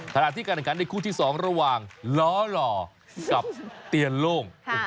ถ้าที่กันกันในคู่ที่สองระหว่างล้อหล่อกับเตียนโล่ง